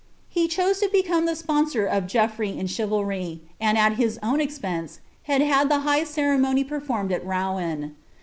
He chose to become the sponsor of Geofr irey in chivalry, and, at his own expense, had had that high cerentauf performed at Rouen.